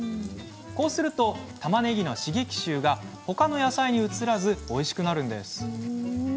こうしますとたまねぎの刺激臭が他の野菜に移らずおいしくなるんです。